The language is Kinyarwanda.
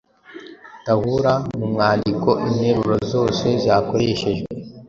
Tahura mu mwandiko interuro zose zakoreshejwemo